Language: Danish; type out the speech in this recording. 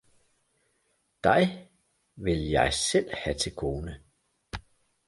Dig vil jeg selv have til kone!